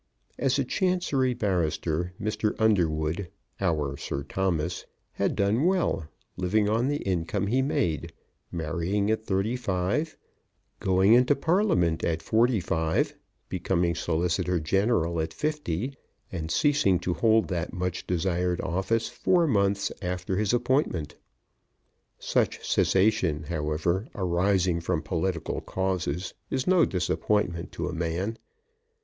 As a Chancery barrister, Mr. Underwood, our Sir Thomas, had done well, living on the income he made, marrying at thirty five, going into Parliament at forty five, becoming Solicitor General at fifty, and ceasing to hold that much desired office four months after his appointment. Such cessation, however, arising from political causes, is no disappointment to a man.